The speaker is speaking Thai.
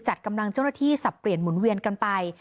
จัดกำลังเจ้าหน้าที่สับเปลี่ยนหมุนเวียนกันไป